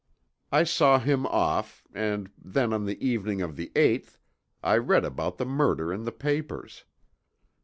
"I saw him off, and then on the evening of the eighth I read about the murder in the papers.